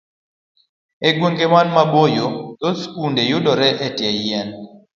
E gwenge man maboyo, thoth skunde yudore e bwo yien.